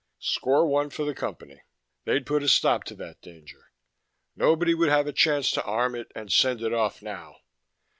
Score one for the Company. They'd put a stop to that danger. Nobody would have a chance to arm it and send it off now.